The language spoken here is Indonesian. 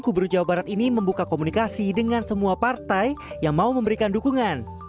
gubernur jawa barat ini membuka komunikasi dengan semua partai yang mau memberikan dukungan